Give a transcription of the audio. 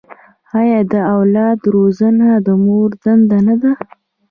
آیا د اولاد روزنه د مور دنده نه ده؟